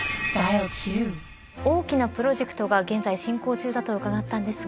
大きなプロジェクトが現在進行中だと伺ったんですが。